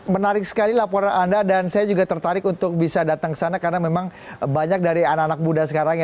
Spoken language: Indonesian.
menarik sekali laporan anda dan saya juga tertarik untuk bisa datang ke sana karena memang banyak dari anak anak muda sekarang ya